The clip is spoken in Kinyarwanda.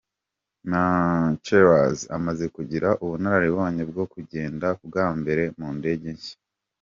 Macheras amaze kugira ubunararibonye bwo kugenda bwa mbere mu ndege nshya.